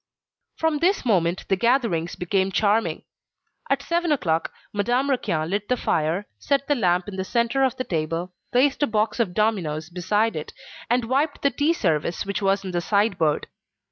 From this moment, the gatherings became charming. At seven o'clock Madame Raquin lit the fire, set the lamp in the centre of the table, placed a box of dominoes beside it, and wiped the tea service which was in the sideboard.